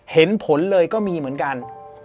เห็นผลเลยก็มีเหมือนกัน